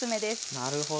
なるほど。